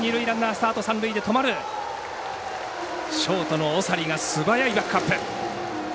ショートの長利が素早いバックアップ。